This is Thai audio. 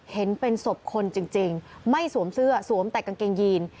เห็นเป็นศพคนจริงไม่สวมเสื้อสวมแต่กางเกงยีน